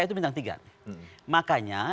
itu bintang tiga makanya